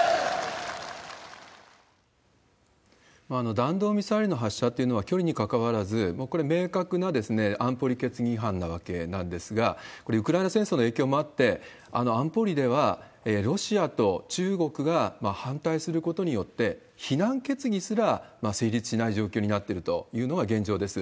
弾道ミサイルの発射というのは、距離にかかわらず、これ、明確な安保理決議違反なわけなんですが、これ、ウクライナ戦争の影響もあって、安保理ではロシアと中国が反対することによって、非難決議すら成立しない状況になっているのが現状です。